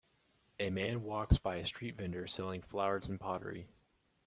A man walks by a street vendor selling flowers and pottery.